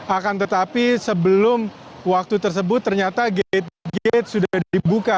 akan tetapi sebelum waktu tersebut ternyata gate gate sudah dibuka